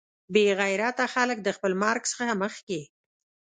بې غیرته خلک د خپل مرګ څخه مخکې.